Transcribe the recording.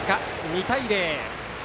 ２対０。